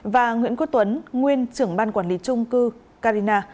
và nguyễn quốc tuấn nguyên trưởng ban quản lý trung cư carina